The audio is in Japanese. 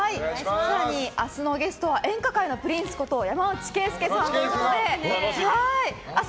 更に明日のゲストは演歌界のプリンスこと山内惠介さんです。